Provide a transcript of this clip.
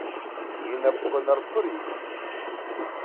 Инапқәа нарԥыреикит.